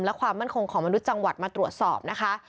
และความมั่นคงของมนุษย์จังหวัดมาตรวจสอบนะคะ